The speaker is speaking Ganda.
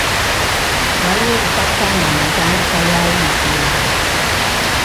Waliwo obutakkaanya ku ntandikwa ya wiiki eno.